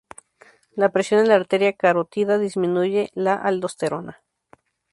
La presión en la arteria carótida disminuye la aldosterona.